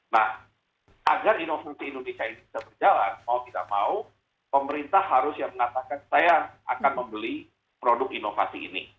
nah agar inovasi indonesia ini bisa berjalan mau tidak mau pemerintah harus yang mengatakan saya akan membeli produk inovasi ini